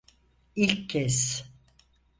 İlk kez.